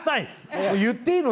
言っていいの？